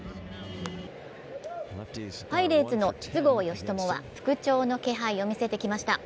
パイレーツの筒香嘉智は復調の気配を見せてきました。